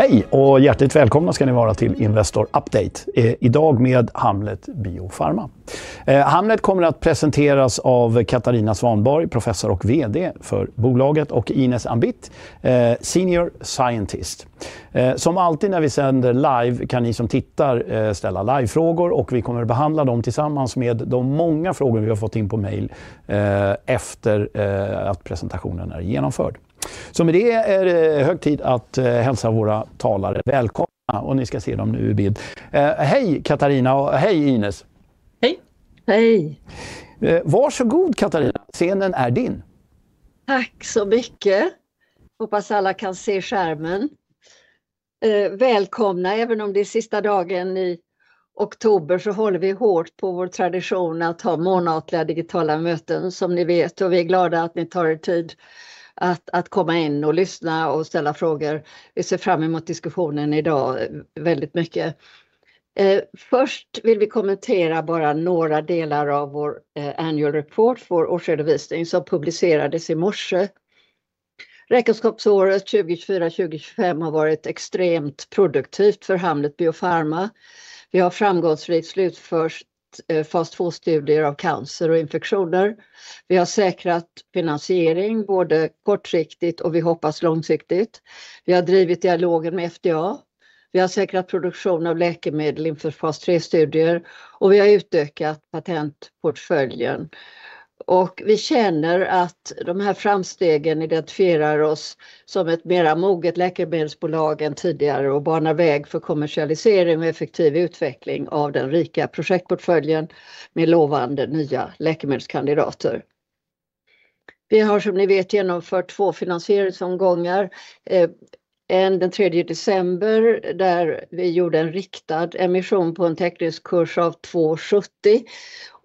Hej och hjärtligt välkomna ska ni vara till Investor Update. Idag med Hamlet BioPharma. Hamlet kommer att presenteras av Katarina Svanborg, professor och VD för bolaget, och Ines Ambit, Senior Scientist. Som alltid när vi sänder live kan ni som tittar ställa live-frågor, och vi kommer att behandla dem tillsammans med de många frågor vi har fått in på mejl efter att presentationen är genomförd. Så med det är det hög tid att hälsa våra talare välkomna, och ni ska se dem nu vid. Hej Katarina och hej Ines. Hej. Hej. Varsågod Katarina, scenen är din. Tack så mycket. Hoppas alla kan se skärmen. Välkomna, även om det är sista dagen i oktober så håller vi hårt på vår tradition att ha månatliga digitala möten, som ni vet. Vi är glada att ni tar tid att komma in och lyssna och ställa frågor. Vi ser fram emot diskussionen idag väldigt mycket. Först vill vi kommentera bara några delar av vår annual report, vår årsredovisning som publicerades i morse. Räkenskapsåret 2024-2025 har varit extremt produktivt för Hamlet BioPharma. Vi har framgångsrikt slutfört fas 2-studier av cancer och infektioner. Vi har säkrat finansiering både kortsiktigt och vi hoppas långsiktigt. Vi har drivit dialogen med FDA. Vi har säkrat produktion av läkemedel inför fas 3-studier och vi har utökat patentportföljen. Vi känner att de här framstegen identifierar oss som ett mer moget läkemedelsbolag än tidigare och banar väg för kommersialisering och effektiv utveckling av den rika projektportföljen med lovande nya läkemedelskandidater. Vi har som ni vet genomfört två finansieringsomgångar. En den 3 december där vi gjorde en riktad emission på en täckningskurs av 2,70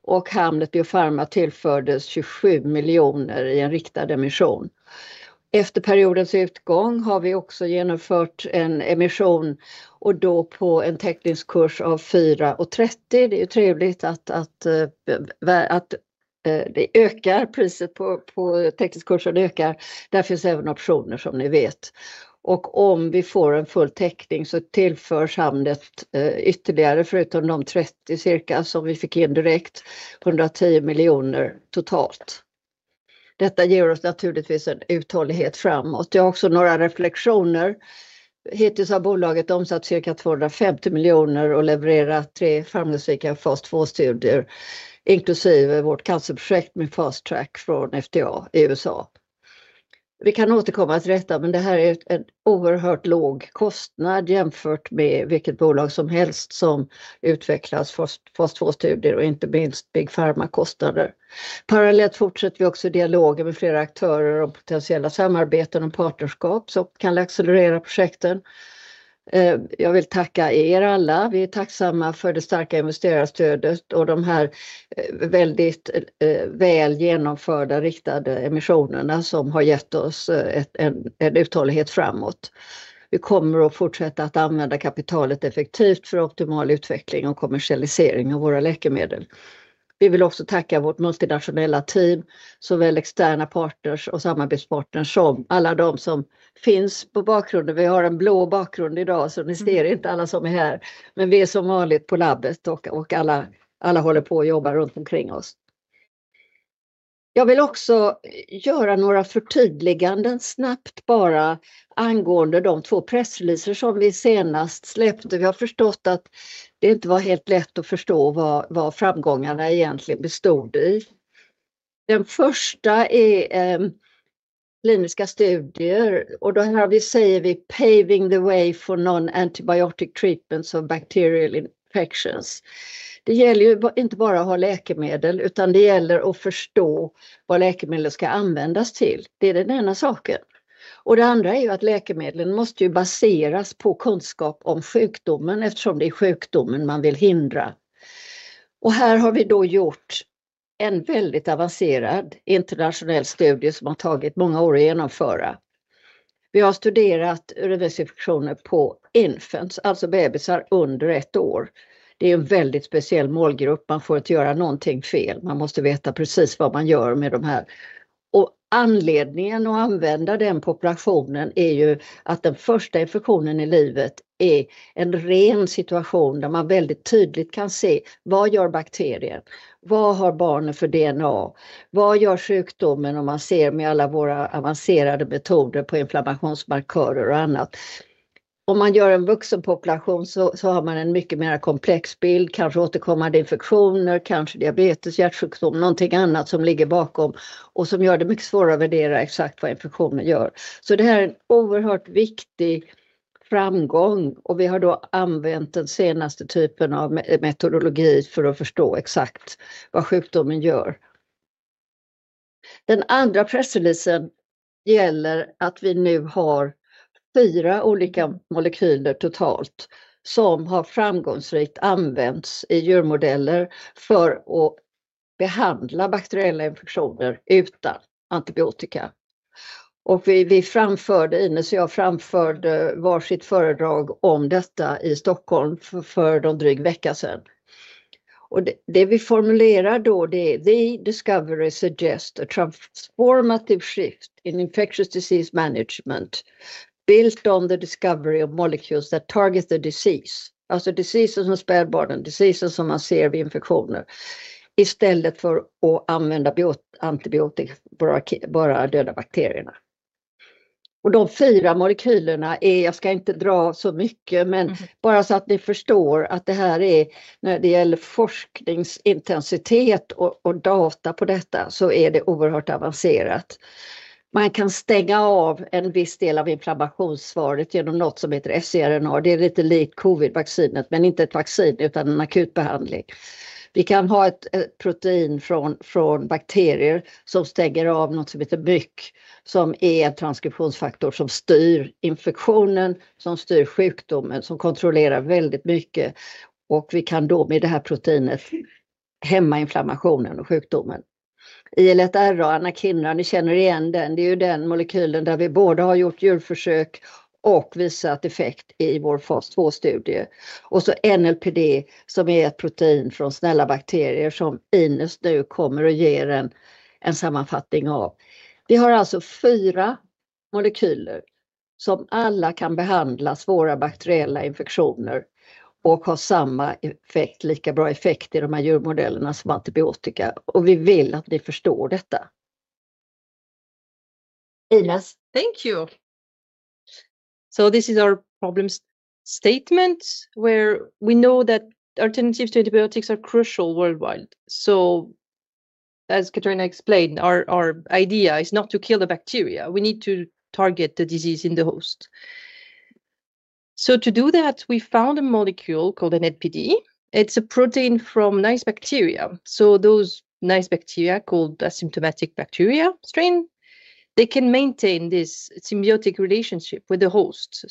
och Hamlet BioPharma tillfördes 27 miljoner i en riktad emission. Efter periodens utgång har vi också genomfört en emission och då på en täckningskurs av 4,30. Det är ju trevligt att det ökar priset på täckningskursen ökar. Där finns även optioner som ni vet. Om vi får en full täckning så tillförs Hamlet ytterligare förutom de 30 cirka som vi fick in direkt, 110 miljoner totalt. Detta ger oss naturligtvis en uthållighet framåt. Jag har också några reflektioner. Hittills har bolaget omsatt cirka 250 miljoner och levererat tre framgångsrika fas 2-studier inklusive vårt cancerprojekt med Fast Track från FDA i USA. Vi kan återkomma till detta, men det här är en oerhört låg kostnad jämfört med vilket bolag som helst som utvecklar fas 2-studier och inte minst BioPharma kostnader. Parallellt fortsätter vi också dialogen med flera aktörer om potentiella samarbeten och partnerskap som kan accelerera projekten. Jag vill tacka alla. Vi är tacksamma för det starka investerarstödet och de här väldigt väl genomförda riktade emissionerna som har gett oss en uthållighet framåt. Vi kommer att fortsätta att använda kapitalet effektivt för optimal utveckling och kommersialisering av våra läkemedel. Vi vill också tacka vårt multinationella team, såväl externa partners och samarbetspartners som alla de som finns på bakgrunden. Vi har en blå bakgrund idag så ni ser inte alla som är här, men vi är som vanligt på labbet och alla håller på och jobbar runt omkring oss. Jag vill också göra några förtydliganden snabbt bara angående de två pressreleaser som vi senast släppte. Vi har förstått att det inte var helt lätt att förstå vad framgångarna egentligen bestod i. Den första är kliniska studier och då säger vi paving the way for non-antibiotic treatments of bacterial infections. Det gäller ju inte bara att ha läkemedel utan det gäller att förstå vad läkemedlet ska användas till. Det är den ena saken. Det andra är ju att läkemedlen måste ju baseras på kunskap om sjukdomen eftersom det är sjukdomen man vill hindra. Här har vi då gjort en väldigt avancerad internationell studie som har tagit många år att genomföra. Vi har studerat urinvägsinfektioner på infants, alltså bebisar under ett år. Det är ju en väldigt speciell målgrupp. Man får inte göra någonting fel. Man måste veta precis vad man gör med de här. Anledningen att använda den populationen är ju att den första infektionen i livet är en ren situation där man väldigt tydligt kan se vad gör bakterien? Vad har barnet för DNA? Vad gör sjukdomen om man ser med alla våra avancerade metoder på inflammationsmarkörer och annat? Om man gör en vuxenpopulation så har man en mycket mer komplex bild. Kanske återkommande infektioner, kanske diabetes, hjärtsjukdom, någonting annat som ligger bakom och som gör det mycket svårare att värdera exakt vad infektionen gör. Så det här är en oerhört viktig framgång och vi har då använt den senaste typen av metodologi för att förstå exakt vad sjukdomen gör. Den andra pressreleasen gäller att vi nu har fyra olika molekyler totalt som har framgångsrikt använts i djurmodeller för att behandla bakteriella infektioner utan antibiotika. Ines och jag framförde varsitt föredrag om detta i Stockholm för drygt en vecka sedan. Det vi formulerar då det är the discovery suggests a transformative shift in infectious disease management. Built on the discovery of molecules that target the disease. Alltså diseases som spädbarnen, diseases som man ser vid infektioner istället för att använda antibiotika för att bara döda bakterierna. De fyra molekylerna är, jag ska inte dra så mycket, men bara så att ni förstår att det här är när det gäller forskningsintensitet och data på detta så är det oerhört avancerat. Man kan stänga av en viss del av inflammationssvaret genom något som heter cRNA. Det är lite likt covidvaccinet, men inte ett vaccin utan en akutbehandling. Vi kan ha ett protein från bakterier som stänger av något som heter MYC, som är en transkriptionsfaktor som styr infektionen, som styr sjukdomen, som kontrollerar väldigt mycket. Vi kan då med det här proteinet hämma inflammationen och sjukdomen. ILR och anakinra, ni känner igen den. Det är ju den molekylen där vi både har gjort djurförsök och visat effekt i vår fas 2-studie. Så NLPD som är ett protein från snälla bakterier som Ines nu kommer och ger en sammanfattning av. Vi har alltså fyra molekyler som alla kan behandla svåra bakteriella infektioner och har samma effekt, lika bra effekt i de här djurmodellerna som antibiotika. Vi vill att ni förstår detta. Ines, thank you. This is our problem statement where we know that alternatives to antibiotics are crucial worldwide. As Katarina explained, our idea is not to kill the bacteria. We need to target the disease in the host. To do that, we found a molecule called NLPD. It's a protein from nice bacteria. Those nice bacteria called asymptomatic bacteria strain, they can maintain this symbiotic relationship with the host.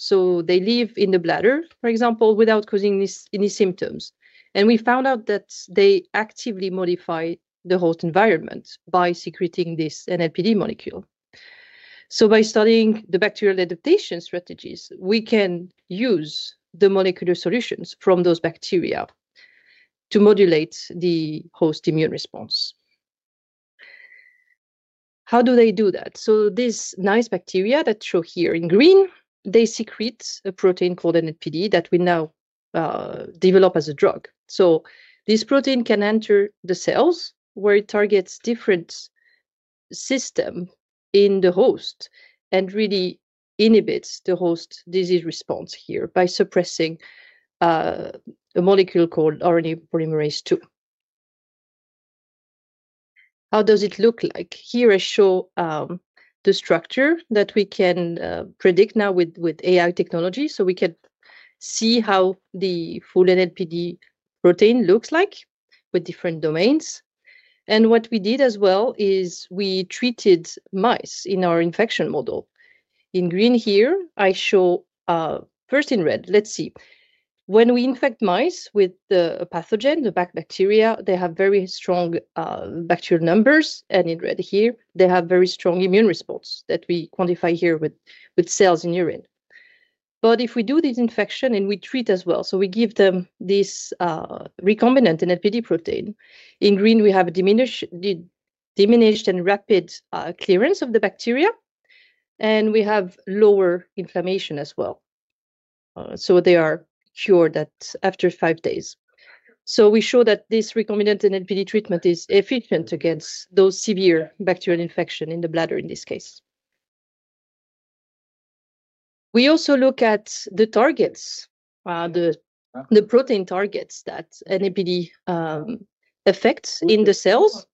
They live in the bladder, for example, without causing any symptoms. We found out that they actively modify the host environment by secreting this NLPD molecule. By studying the bacterial adaptation strategies, we can use the molecular solutions from those bacteria to modulate the host immune response. How do they do that? These nice bacteria that show here in green, they secrete a protein called NLPD that we now develop as a drug. This protein can enter the cells where it targets different systems in the host and really inhibits the host disease response here by suppressing a molecule called RNA polymerase 2. How does it look like? Here I show the structure that we can predict now with AI technology. We can see how the full NLPD protein looks like with different domains. What we did as well is we treated mice in our infection model. In green here, I show first in red, let's see. When we infect mice with a pathogen, the bacteria, they have very strong bacterial numbers. In red here, they have very strong immune response that we quantify here with cells in urine. But if we do this infection and we treat as well, we give them this recombinant NLPD protein. In green, we have a diminished and rapid clearance of the bacteria. We have lower inflammation as well. They are cured after five days. We show that this recombinant NLPD treatment is efficient against those severe bacterial infections in the bladder in this case. We also look at the targets. The protein targets that NLPD affects in the cells.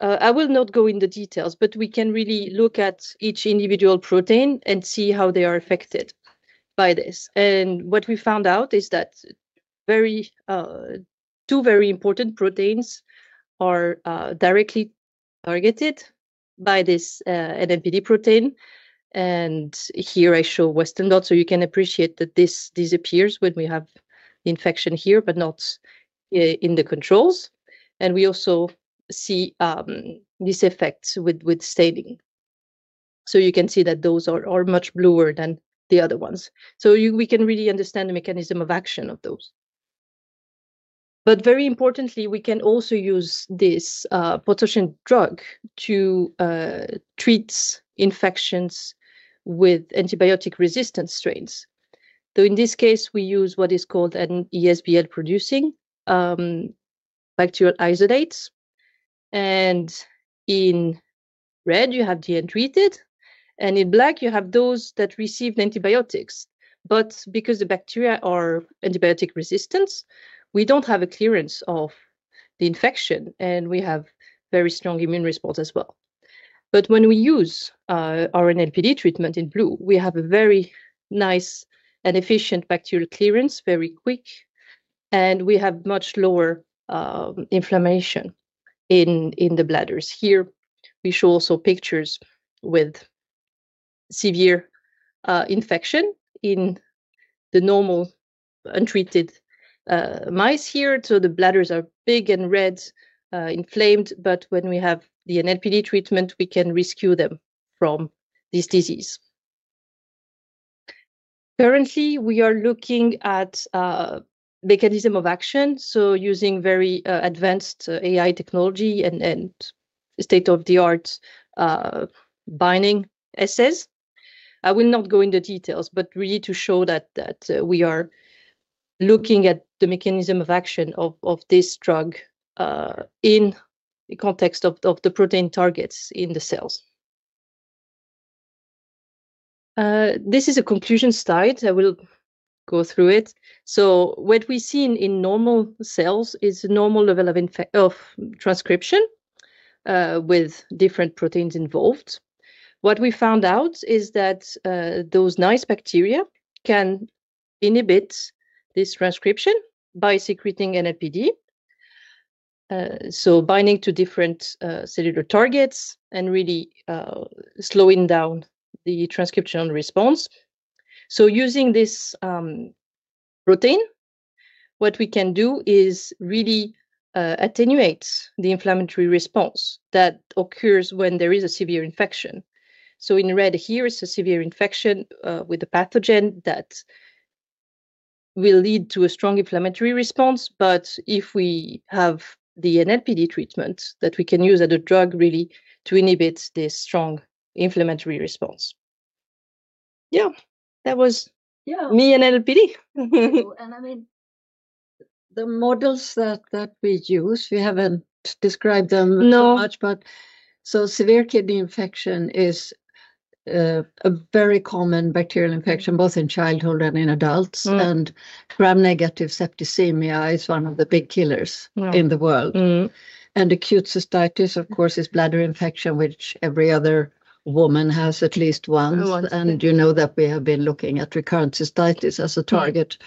I will not go into details, but we can really look at each individual protein and see how they are affected by this. What we found out is that two very important proteins are directly targeted by this NLPD protein. Here I show Western blot, you can appreciate that this disappears when we have the infection here, but not in the controls. We also see this effect with staining. You can see that those are much bluer than the other ones. We can really understand the mechanism of action of those. But very importantly, we can also use this pathogen drug to treat infections with antibiotic-resistant strains. In this case, we use what is called an ESBL-producing bacterial isolates. In red, you have the untreated. In black, you have those that received antibiotics. But because the bacteria are antibiotic-resistant, we don't have a clearance of the infection and we have very strong immune response as well. But when we use our NLPD treatment in blue, we have a very nice and efficient bacterial clearance, very quick. We have much lower inflammation in the bladders. Here we show also pictures with severe infection in the normal untreated mice here. The bladders are big and red, inflamed. But when we have the NLPD treatment, we can rescue them from this disease. Currently, we are looking at mechanism of action. Using very advanced AI technology and state-of-the-art binding assays. I will not go into details, but really to show that we are looking at the mechanism of action of this drug in the context of the protein targets in the cells. This is a conclusion slide. I will go through it. What we see in normal cells is a normal level of transcription with different proteins involved. What we found out is that those nice bacteria can inhibit this transcription by secreting NLPD. Binding to different cellular targets and really slowing down the transcriptional response. Using this protein, what we can do is really attenuate the inflammatory response that occurs when there is a severe infection. In red here, it's a severe infection with a pathogen that will lead to a strong inflammatory response. But if we have the NLPD treatment that we can use as a drug really to inhibit this strong inflammatory response. That was me and NLPD. I mean the models that we use, we haven't described them much, but severe kidney infection is a very common bacterial infection, both in childhood and in adults. Gram-negative septicemia is one of the big killers in the world. Acute cystitis, of course, is bladder infection, which every other woman has at least once. You know that we have been looking at recurrent cystitis as a target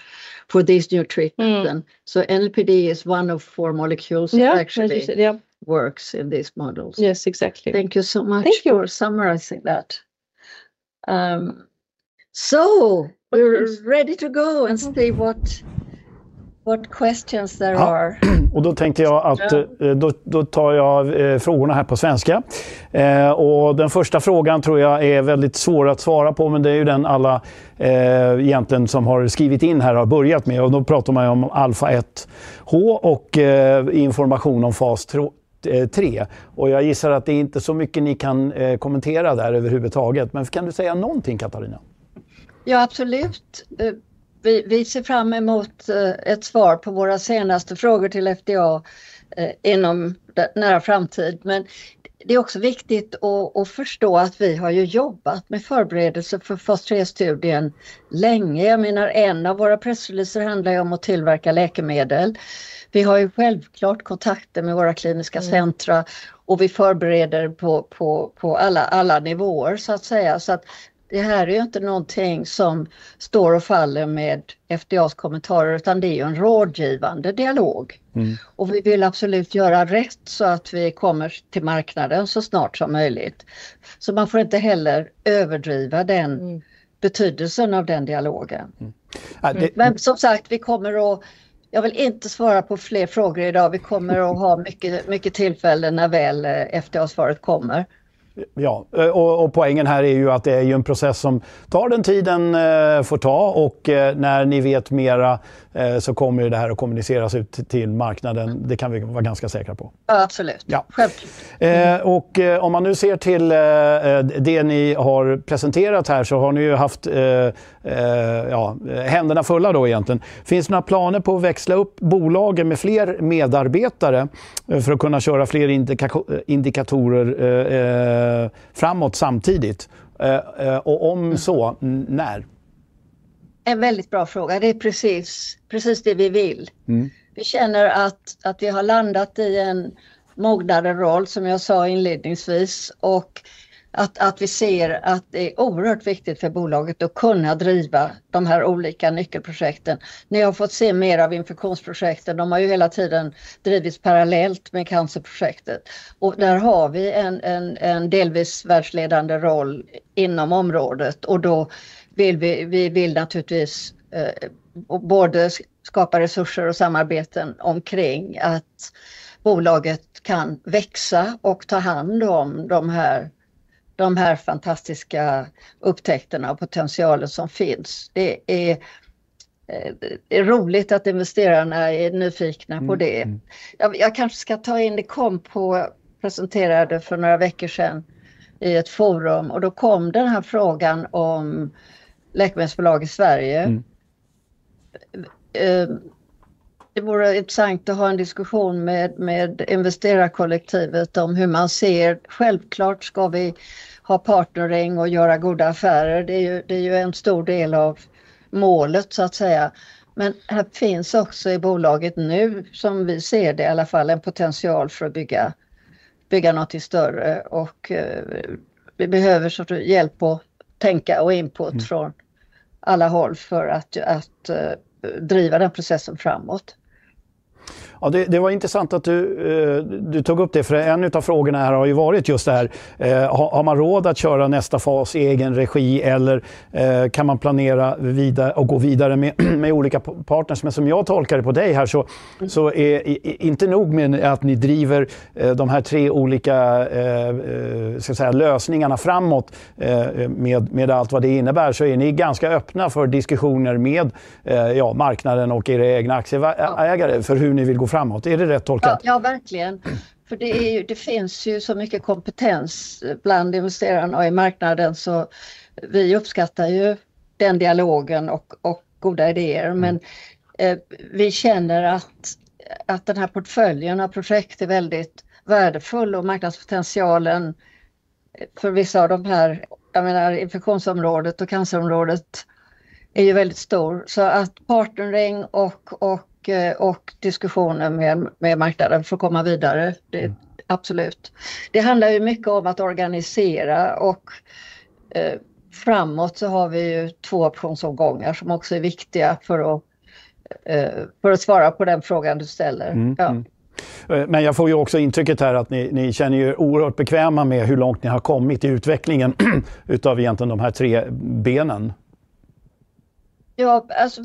for these new treatments. NLPD is one of four molecules that actually works in these models. Yes, exactly. Thank you much. Thank you for summarizing that. We're ready to go and see what questions there are. Då tänkte jag att då tar jag frågorna här på svenska, och den första frågan tror jag är väldigt svår att svara på, men det är ju den alla egentligen som har skrivit in här har börjat med. Och då pratar man ju om alfa 1H och information om fas 3. Och jag gissar att det inte är så mycket ni kan kommentera där överhuvudtaget. Men kan du säga någonting, Katarina? Ja, absolut. Vi ser fram emot ett svar på våra senaste frågor till FDA inom nära framtid. Men det är också viktigt att förstå att vi har jobbat med förberedelser för fas 3-studien länge. Jag menar, en av våra pressreleaser handlar om att tillverka läkemedel. Vi har självklart kontakter med våra kliniska centra och vi förbereder på alla nivåer, så att säga. Så det här är inte någonting som står och faller med FDAs kommentarer, utan det är en rådgivande dialog. Vi vill absolut göra rätt så att vi kommer till marknaden så snart som möjligt. Så man får inte heller överdriva betydelsen av den dialogen. Men som sagt, vi kommer att, jag vill inte svara på fler frågor idag. Vi kommer att ha mycket tillfällen när väl FDA-svaret kommer. Ja, och poängen här är ju att det är ju en process som tar den tiden får ta. Och när ni vet mera så kommer ju det här att kommuniceras ut till marknaden. Det kan vi vara ganska säkra på. Ja, absolut. Självklart. Och om man nu ser till det ni har presenterat här så har ni ju haft händerna fulla då egentligen. Finns det några planer på att växla upp bolagen med fler medarbetare för att kunna köra fler indikatorer framåt samtidigt? Och om så, när? En väldigt bra fråga. Det är precis det vi vill. Vi känner att vi har landat i en mognare roll, som jag sa inledningsvis, och att vi ser att det är oerhört viktigt för bolaget att kunna driva de här olika nyckelprojekten. Ni har fått se mer av infektionsprojekten. De har ju hela tiden drivits parallellt med cancerprojektet. Där har vi en delvis världsledande roll inom området. Då vill vi naturligtvis både skapa resurser och samarbeten omkring att bolaget kan växa och ta hand om de här fantastiska upptäckterna och potentialen som finns. Det är roligt att investerarna är nyfikna på det. Jag kanske ska ta in det. Kom på, presenterade för några veckor sedan i ett forum, och då kom den här frågan om läkemedelsbolag i Sverige. Det vore intressant att ha en diskussion med investerarkollektivet om hur man ser. Självklart ska vi ha partnering och göra goda affärer. Det är ju en stor del av målet, så att säga. Men här finns också i bolaget nu, som vi ser det i alla fall, en potential för att bygga något större. Vi behöver såklart hjälp och tänka och input från alla håll för att driva den processen framåt. Ja, det var intressant att du tog upp det, för en av frågorna här har ju varit just det här. Har man råd att köra nästa fas i egen regi, eller kan man planera vidare och gå vidare med olika partners? Men som jag tolkade på dig här så är inte nog med att ni driver de här tre olika lösningarna framåt med allt vad det innebär, så är ni ganska öppna för diskussioner med marknaden och era egna aktieägare för hur ni vill gå framåt. Är det rätt tolkat? Ja, verkligen. För det finns ju så mycket kompetens bland investerarna och i marknaden. Så vi uppskattar ju den dialogen och goda idéer. Men vi känner att den här portföljen av projekt är väldigt värdefull och marknadspotentialen för vissa av de här, jag menar infektionsområdet och cancerområdet, är ju väldigt stor. Så att partnering och diskussioner med marknaden för att komma vidare, det är absolut. Det handlar ju mycket om att organisera. Framåt så har vi ju två optionsomgångar som också är viktiga för att svara på den frågan du ställer. Men jag får ju också intrycket här att ni känner er oerhört bekväma med hur långt ni har kommit i utvecklingen av egentligen de här tre benen. Ja, alltså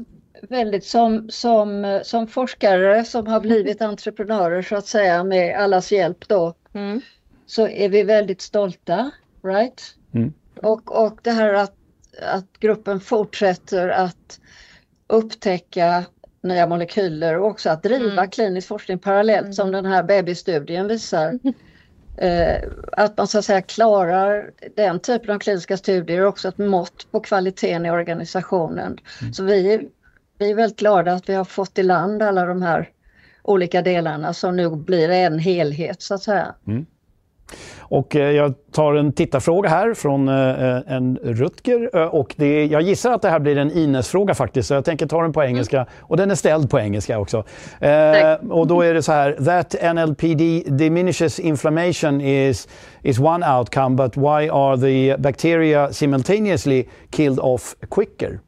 väldigt som forskare som har blivit entreprenörer, så att säga, med allas hjälp då. Vi är väldigt stolta. Det här att gruppen fortsätter att upptäcka nya molekyler och också att driva klinisk forskning parallellt, som den här BioBio-studien visar, att man så att säga klarar den typen av kliniska studier och också ett mått på kvaliteten i organisationen. Vi är väldigt glada att vi har fått i land alla de här olika delarna som nu blir en helhet, så att säga. Och jag tar en tittarfråga här från en Rutger. Och det jag gissar att det här blir en Ines-fråga faktiskt, så jag tänker ta den på engelska. Och den är ställd på engelska också. Och då är det så här: That NLPD diminishes inflammation is one outcome, but why are the bacteria simultaneously killed off quicker?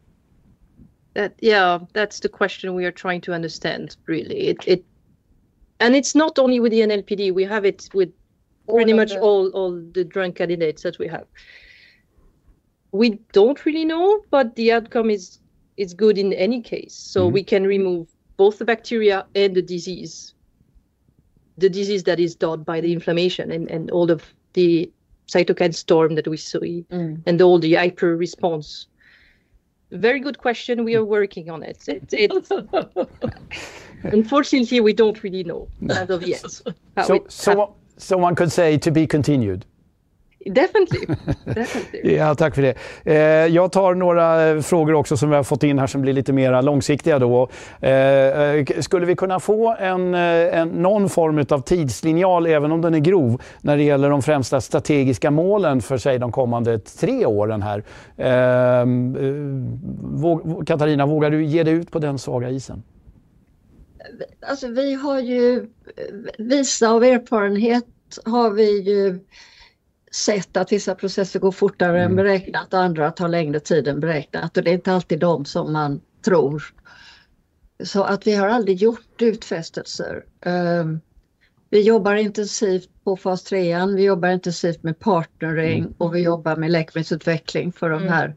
Yeah, that's the question we are trying to understand, really. It's not only with the NLPD. We have it with pretty much all the drug candidates that we have. We don't really know, but the outcome is good in any case. We can remove both the bacteria and the disease, the disease that is done by the inflammation and all of the cytokine storm that we see and all the hyper-response. Very good question. We are working on it. Unfortunately, we don't really know as of yet. One could say to be continued. Definitely. Definitely. Ja, tack för det. Jag tar några frågor också som vi har fått in här som blir lite mer långsiktiga. Skulle vi kunna få en någon form av tidslinje, även om den är grov, när det gäller de främsta strategiska målen för de kommande tre åren här? Katarina, vågar du ge dig ut på den svaga isen? Alltså, vi har ju vissa av erfarenheter har vi ju sett att vissa processer går fortare än beräknat och andra tar längre tid än beräknat. Och det är inte alltid de som man tror. Så att vi har aldrig gjort utfästelser. Vi jobbar intensivt på fas 3, vi jobbar intensivt med partnering och vi jobbar med läkemedelsutveckling för de här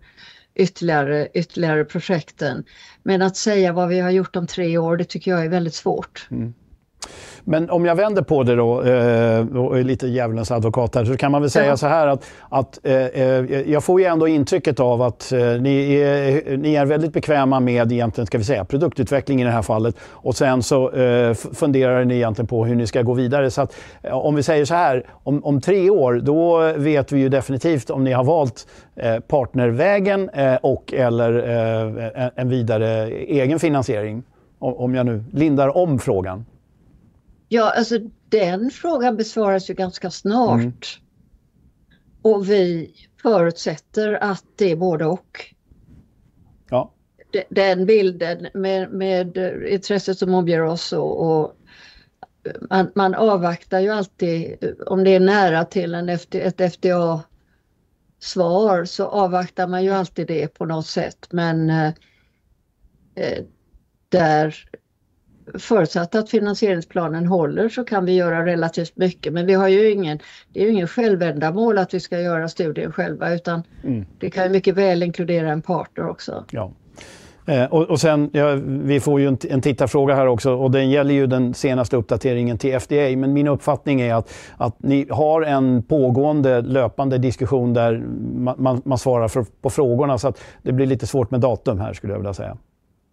ytterligare projekten. Men att säga vad vi har gjort om tre år, det tycker jag är väldigt svårt. Men om jag vänder på det då, och är lite djävulens advokat där, så kan man väl säga så här att jag får ju ändå intrycket av att ni är väldigt bekväma med egentligen, ska vi säga, produktutveckling i det här fallet. Och sen så funderar ni egentligen på hur ni ska gå vidare. Så att om vi säger så här, om tre år, då vet vi ju definitivt om ni har valt partnervägen och/eller en vidare egen finansiering, om jag nu lindar om frågan. Ja, alltså, den frågan besvaras ju ganska snart. Vi förutsätter att det är både och. Ja, den bilden med intresset som omger oss. Man avvaktar ju alltid. Om det är nära till ett FDA-svar, så avvaktar man ju alltid det på något sätt. Där, förutsatt att finansieringsplanen håller, så kan vi göra relativt mycket. Vi har ju ingen, det är ju ingen självändamål att vi ska göra studien själva, utan det kan ju mycket väl inkludera en partner också. Ja, och sen, vi får ju en tittarfråga här också, och den gäller ju den senaste uppdateringen till FDA. Men min uppfattning är att ni har en pågående, löpande diskussion där man svarar på frågorna, så att det blir lite svårt med datum här, skulle jag vilja säga.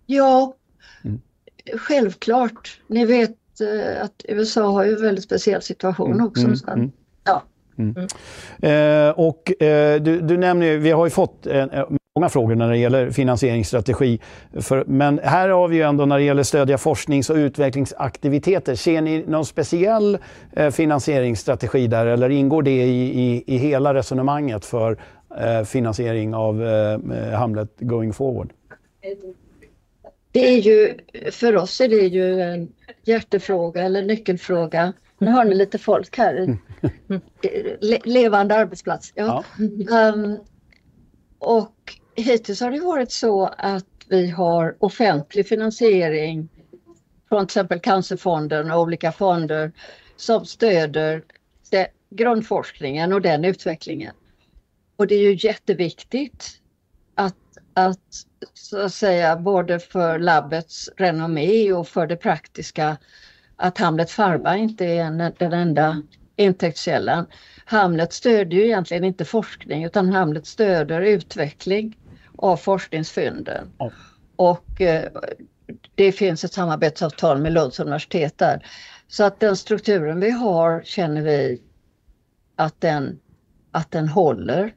Ja, självklart. Ni vet att USA har ju en väldigt speciell situation också. Och du nämner ju, vi har ju fått många frågor när det gäller finansieringsstrategi. Men här har vi ju ändå, när det gäller stödja forsknings- och utvecklingsaktiviteter, ser ni någon speciell finansieringsstrategi där, eller ingår det i hela resonemanget för finansiering av Hamlet Going Forward? Det är ju, för oss är det ju en hjärtefråga eller nyckelfråga. Nu har ni lite folk här. Levande arbetsplats. Hittills har det ju varit så att vi har offentlig finansiering från till exempel Cancerfonden och olika fonder som stöder grundforskningen och den utvecklingen. Det är ju jätteviktigt att, så att säga, både för labbets renommé och för det praktiska, att Hamlet Pharma inte är den enda intäktskällan. Hamlet stödjer ju egentligen inte forskning, utan Hamlet stödjer utveckling av forskningsfynden. Det finns ett samarbetsavtal med Lunds universitet där, så att den strukturen vi har känner vi att den håller.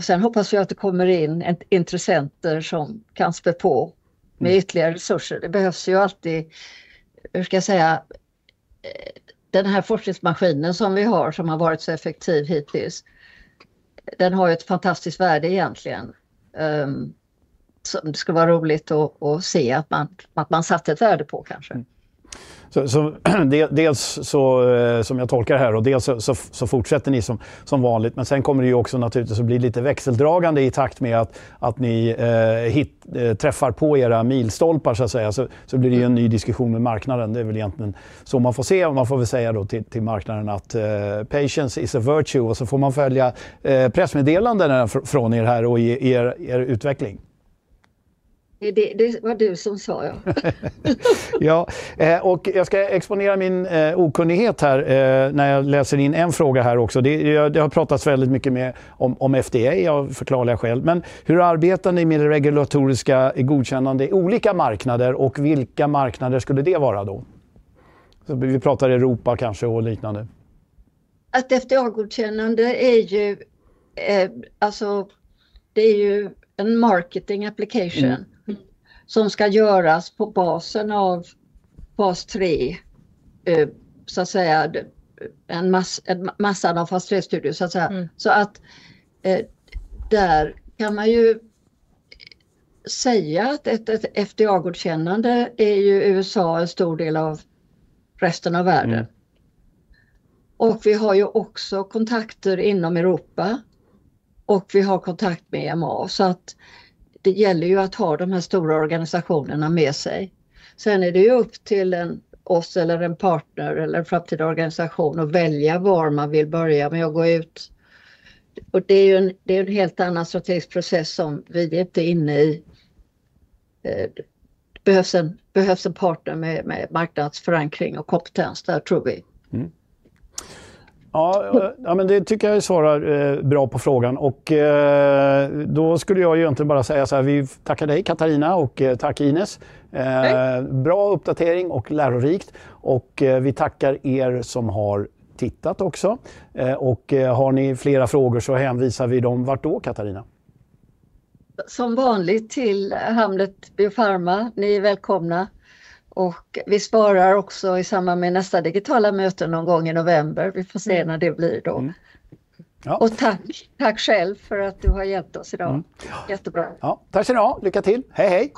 Sen hoppas vi att det kommer in intressenter som kan spä på med ytterligare resurser. Det behövs ju alltid. Hur ska jag säga, den här forskningsmaskinen som vi har, som har varit så effektiv hittills, den har ju ett fantastiskt värde egentligen som det skulle vara roligt att se att man satte ett värde på kanske. Så dels som jag tolkar det här, och dels så fortsätter ni som vanligt. Men sen kommer det ju också naturligtvis att bli lite växeldragande i takt med att ni träffar på era milstolpar, så att säga. Det blir ju en ny diskussion med marknaden. Det är väl egentligen så man får se. Och man får väl säga då till marknaden att patience is a virtue och så får man följa pressmeddelandena från här och utveckling. Det var du som sa, ja. Ja, och jag ska exponera min okunnighet här när jag läser in en fråga här också. Det har pratats väldigt mycket om FDA, jag förklarar det själv. Men hur arbetar ni med det regulatoriska godkännandet i olika marknader och vilka marknader skulle det vara då? Vi pratar Europa kanske och liknande. Ett FDA-godkännande är ju, alltså det är ju en marketing application som ska göras på basen av fas 3. Så att säga en massa av fas 3-studier, så att säga. Så att där kan man ju säga att ett FDA-godkännande är ju USA en stor del av resten av världen. Och vi har ju också kontakter inom Europa. Och vi har kontakt med EMA. Så att det gäller ju att ha de här stora organisationerna med sig. Sen är det ju upp till oss eller en partner eller en framtida organisation att välja var man vill börja med att gå ut. Och det är ju en helt annan strategisk process som vi inte är inne i. Det behövs en partner med marknadsförankring och kompetens, där tror vi. Ja, men det tycker jag svarar bra på frågan. Och då skulle jag egentligen bara säga så här: vi tackar dig, Katarina, och tack, Ines. Bra uppdatering och lärorikt. Och vi tackar er som har tittat också. Och har ni flera frågor så hänvisar vi dem. Vart då, Katarina? Som vanligt till Hamlet BioPharma. Ni är välkomna. Och vi svarar också i samband med nästa digitala möte någon gång i november. Vi får se när det blir då. Och tack, tack själv för att du har hjälpt oss idag. Jättebra. Ja, tack ska ni ha. Lycka till. Hej, hej.